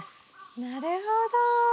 なるほど。